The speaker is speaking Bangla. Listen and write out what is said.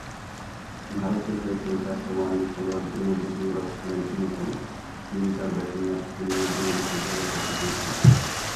ভারতের হয়ে খেলতে আসা ওয়ানডে খেলোয়াড়দের মধ্যে যুবরাজ ছিলেন অন্যতম, তিনি তাঁর ব্যাটিং আর ফিল্ডিংয়ের জন্য বিশেষভাবে খ্যাতি পেয়েছিলেন।